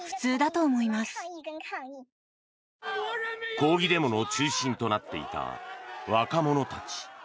抗議デモの中心となっていた若者たち。